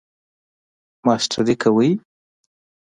ماسټری کوئ؟